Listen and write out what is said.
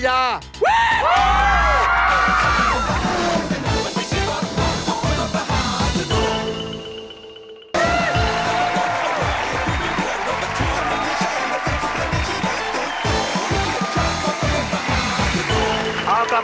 เอากลับกลับสู่รถมหาสนุกนะครับ